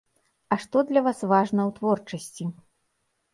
А што для вас важна ў творчасці?